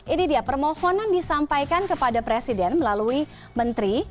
ini dia permohonan disampaikan kepada presiden melalui menteri